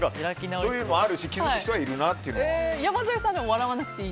そういうのもあるし気づく人はいるなっていう。